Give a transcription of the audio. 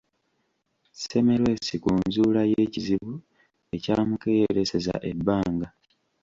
Semmelwesi ku nzuula y’ekizibu ekyamukeeyeresa ebbanga.